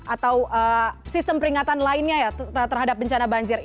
atau sistem peringatan lainnya ya terhadap bencana banjir